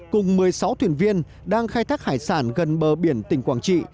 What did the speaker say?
cùng một mươi sáu thuyền viên đang khai thác hải sản gần bờ biển tỉnh quảng trị